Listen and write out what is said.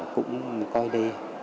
cũng coi đây